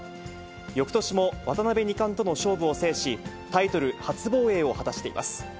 よくとしも渡辺二冠との勝負を制し、タイトル初防衛を果たしています。